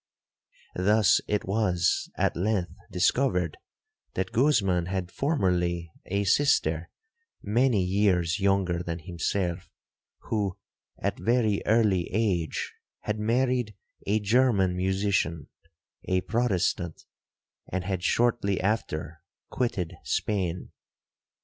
Thus it was at length discovered that Guzman had formerly a sister, many years younger than himself, who, at a very early age, had married a German musician, a Protestant, and had shortly after quitted Spain.